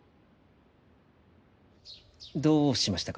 どうしましたか？